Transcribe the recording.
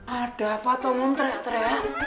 ada apa tau ngomong tereak tereak